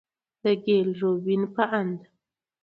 د ګيل روبين په اند،